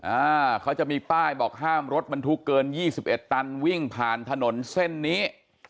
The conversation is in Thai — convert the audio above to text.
อ่าเขาจะมีป้ายบอกห้ามรถบรรทุกเกินยี่สิบเอ็ดตันวิ่งผ่านถนนเส้นนี้